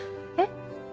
えっ？